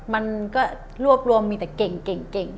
มันก็รวบรวมมีแต่เก่ง